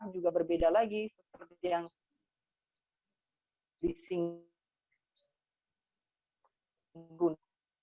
juga berbeda lagi seperti yang di singkong